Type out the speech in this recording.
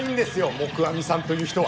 黙阿弥さんという人は。